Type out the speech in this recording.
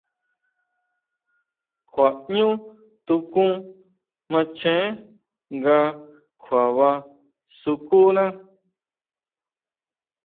Kjua ʼñú tukún macheé nga kjuaba sukuna.